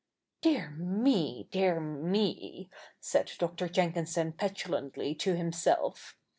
' Dear me ! dear me 1 ' said Dr. Jenkinson petulantly to himself.